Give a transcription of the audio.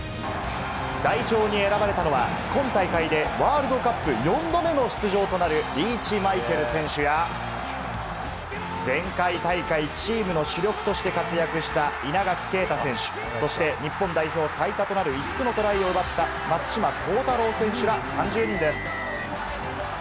代表に選ばれたのは、今大会でワールドカップ４度目の出場となるリーチ・マイケル選手や、前回大会チームの主力として活躍した稲垣啓太選手、そして日本代表最多となる５つのトライを奪った、松島幸太朗選手ら３０人です。